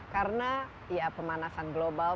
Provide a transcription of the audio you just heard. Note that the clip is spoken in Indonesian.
karena ya pemanasan global